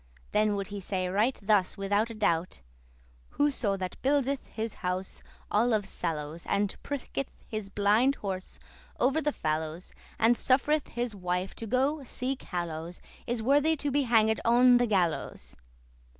Then would he say right thus withoute doubt: "Whoso that buildeth his house all of sallows,* *willows And pricketh his blind horse over the fallows, And suff'reth his wife to *go seeke hallows,* *make pilgrimages* Is worthy to be hanged on the gallows."